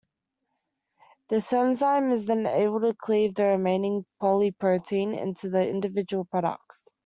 This enzyme is then able to cleave the remaining polyprotein into the individual products.